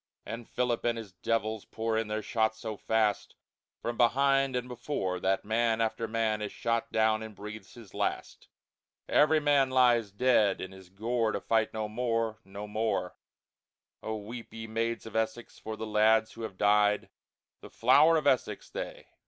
And Philip and his Devils pour in their Shot so fast, From behind and before, That Man after Man is shot down and breathes his last. Every Man lies dead in his Gore To fight no more, no more! Oh, weep, ye Maids of Essex, for the Lads who have died, The Flower of Essex they!